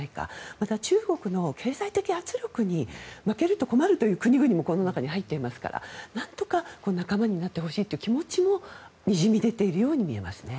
また、中国の経済的圧力に負けると困るという国々もこの中に入っていますからなんとか仲間になってほしいという気持ちもにじみ出ているように見えますね。